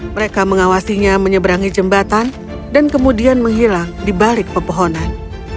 mereka mengawasinya menyeberangi jembatan dan kemudian menghilang di balik pepohonan